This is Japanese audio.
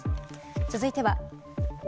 続いては。